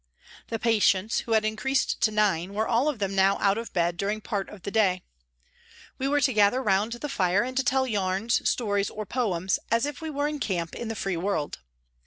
The patients, who had increased to nine, were all of them now out of bed " A TRACK TO THE WATER'S EDGE " 155 during part of the day. We were to gather round the fire, and to tell yarns, stories or poems, as if we were in camp in the free world.